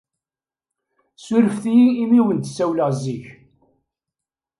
Surfet-iyi imi wen-d-ssawleɣ zik.